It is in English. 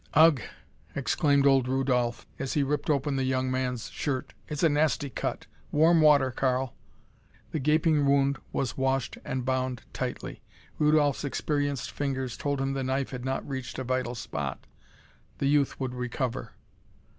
"Ugh!" exclaimed old Rudolph as he ripped open the young man's shirt, "it's a nasty cut. Warm water, Karl." The gaping wound was washed and bound tightly. Rudolph's experienced fingers told him the knife had not reached a vital spot. The youth would recover.